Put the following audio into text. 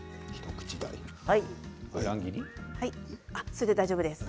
それで大丈夫です。